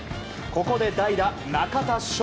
ここで代打、中田翔。